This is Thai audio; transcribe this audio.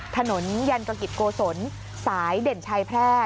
ถนนยันกกิจโกศลสายเด่นชัยแพร่